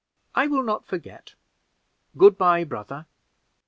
"I will not forget; good by, brother."